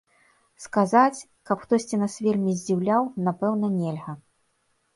Сказаць, каб хтосьці нас вельмі здзіўляў, напэўна, нельга.